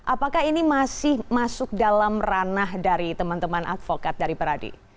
apakah ini masih masuk dalam ranah dari teman teman advokat dari peradi